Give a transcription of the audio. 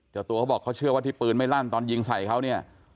เจ้าตัวเขาบอกเขาเชื่อว่าที่ปืนไม่ลั่นตอนยิงใส่เขาเนี่ย